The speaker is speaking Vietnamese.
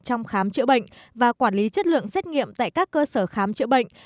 trong khám chữa bệnh và quản lý chất lượng xét nghiệm tại các cơ sở khám chữa bệnh